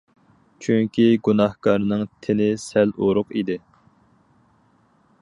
چۈنكى گۇناھكارنىڭ تېنى سەل ئورۇق ئىدى.